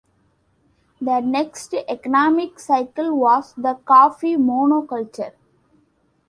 The next economic cycle was the coffee monoculture.